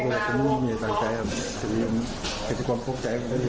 ก็มีอะไรต่างใจครับแล้วก็จะควรพบใจกันได้เลย